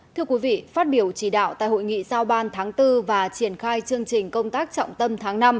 thưa quý vị phát biểu chỉ đạo tại hội nghị sao ban tháng bốn và triển khai chương trình công tác trọng tâm tháng năm